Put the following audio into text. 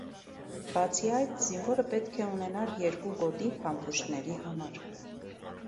Բացի այդ, զինվորը պետք է ունենար երկու գոտի փամփուշտների համար։